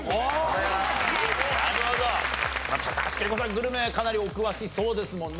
グルメはかなりお詳しそうですもんね。